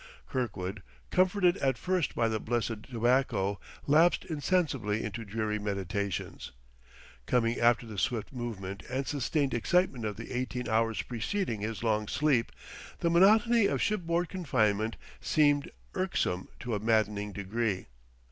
Kirkwood, comforted at first by the blessed tobacco, lapsed insensibly into dreary meditations. Coming after the swift movement and sustained excitement of the eighteen hours preceding his long sleep, the monotony of shipboard confinement seemed irksome to a maddening degree.